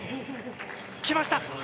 来ました。